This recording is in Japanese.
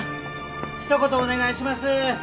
ひと言お願いします。